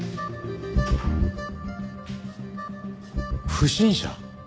不審者？